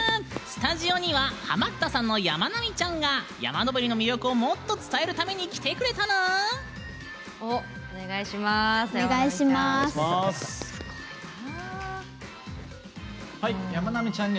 スタジオには、ハマったさんのやまなみちゃんが山登りの魅力をもっと伝えるために来てくれたぬーん！